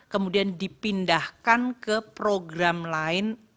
kemudian dipindahkan ke program lain